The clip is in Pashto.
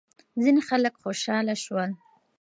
ځینې خلک خوشحال شول.